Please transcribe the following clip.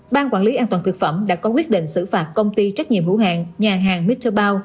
ban quản lý an toàn thực phẩm đã có quyết định xử phạt công ty trách nhiệm hữu hạn nhà hàng mr bao